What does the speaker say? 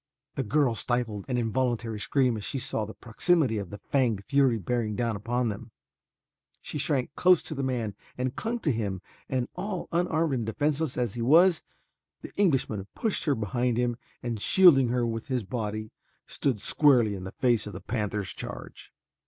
The girl stifled an involuntary scream as she saw the proximity of the fanged fury bearing down upon them. She shrank close to the man and clung to him and all unarmed and defenseless as he was, the Englishman pushed her behind him and shielding her with his body, stood squarely in the face of the panther's charge.